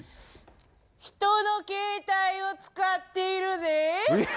人の携帯を使っているぜぇ。